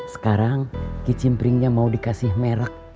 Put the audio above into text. sekarang kicim pringnya mau dikasih merek